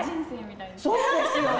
そうですよね！